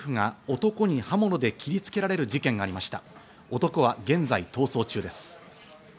男は現在、逃走中です。